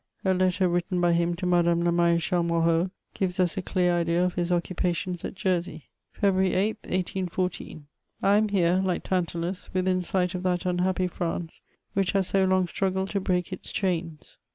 A letter written by him to Madame la M ar^chale Moreau, gives us a clear idea o£ his occupations at Jersey :—*^< February 8th, 1814. '^' I am here* like Tantalus, within sight of that unhappy France which has so long struggled to break its chains.